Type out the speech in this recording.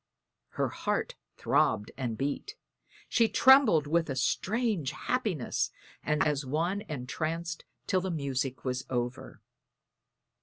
_" Her heart throbbed and beat; she trembled with a strange happiness and sat as one entranced till the music was over.